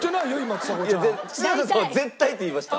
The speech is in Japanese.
ちさ子さんは「絶対」って言いました。